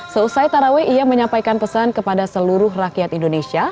seusai taraweh ia menyampaikan pesan kepada seluruh rakyat indonesia